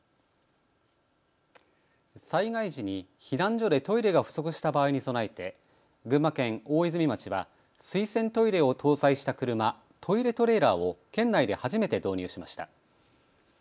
災害時に避難所でトイレが不足した場合に備えて群馬県大泉町は水洗トイレを搭載した車、トイレトレーラーを県内で初めて導入しました。